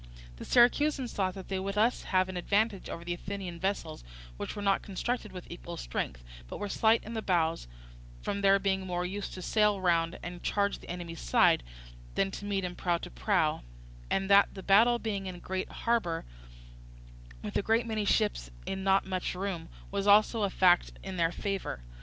The Syracusans thought that they would thus have an advantage over the Athenian vessels, which were not constructed with equal strength, but were slight in the bows, from their being more used to sail round and charge the enemy's side than to meet him prow to prow, and that the battle being in the great harbour, with a great many ships in not much room, was also a fact in their favour.